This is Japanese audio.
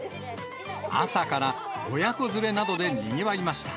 朝から親子連れなどでにぎわいました。